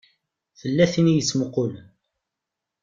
Tella tin i yettmuqqulen.